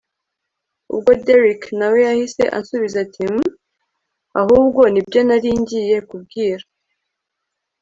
ubwo derrick nawe yahise ansubiza ati hhhm! ahubwo nibyo naringiye kubwira